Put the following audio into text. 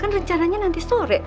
kan rencananya nanti sore